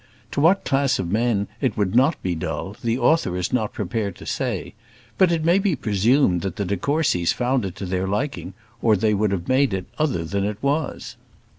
To what class of men it would not be dull the author is not prepared to say; but it may be presumed that the de Courcys found it to their liking, or they would have made it other than it was.